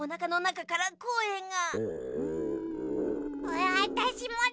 わたしもだ。